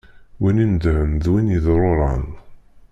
Win inedhen d win yeḍṛuṛan.